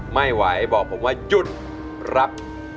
ไม่ไหวบอกผมว่าหยุดรับ